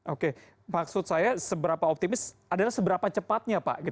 oke maksud saya seberapa optimis adalah seberapa cepatnya pak